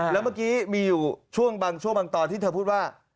แล้วเมื่อกี้มีอยู่ช่วงบางช่วงบางตอนที่เธอพูดว่า